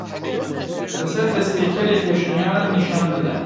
Li ser destpêkerê pêşniyaran nîşan dide.